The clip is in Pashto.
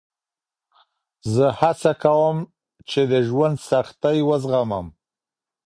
زه هڅه کوم چې د ژوند سختۍ وزغمه.